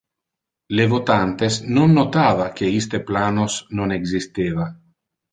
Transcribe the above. Le votantes non notava que iste planos non existeva.